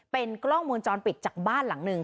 เป็นกล้องวงจรปิดจากบ้านหลังหนึ่ง